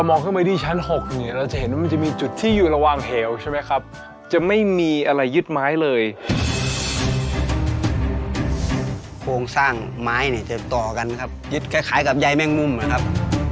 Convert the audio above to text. มีอากาศบริสุทธิ์เข้าไปในป่อได้เต็มเลยครับ